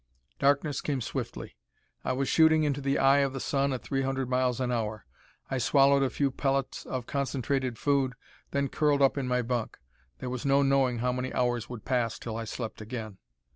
Darkness came swiftly. I was shooting into the eye of the sun at three hundred miles an hour. I swallowed a few pellets of concentrated food, then curled up in my bunk. There was no knowing how many hours would pass till I slept again.